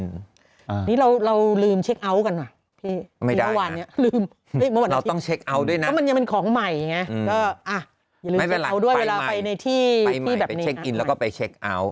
อันนี้เราลืมเช็คเอาท์กันเหรอ